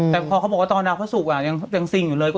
แต่พอเขาบอกว่าตอนดาวพระศุกร์ยังซิงอยู่เลย